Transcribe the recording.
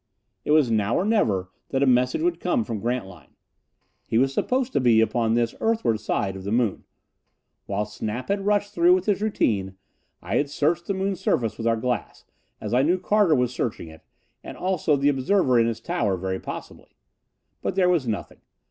It was now or never that a message would come from Grantline. He was supposed to be upon this earthward side of the moon. While Snap had rushed through with his routine, I had searched the moon surface with our glass, as I knew Carter was searching it and also the observer in his tower, very possibly. But there was nothing.